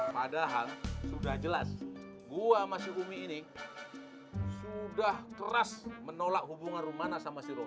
padahal sudah jelas gua sama si umi ini sudah keras menolak hubungan rumana sama si robi